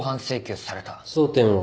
争点は？